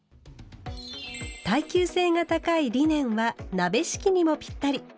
耐久性が高いリネンは「鍋敷き」にもぴったり。